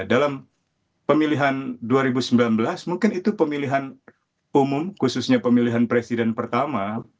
dalam pemilihan dua ribu sembilan belas mungkin itu pemilihan umum khususnya pemilihan presiden pertama